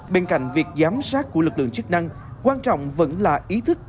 bên cạnh việc giám sát của lực lượng chức năng quan trọng vẫn là ý thức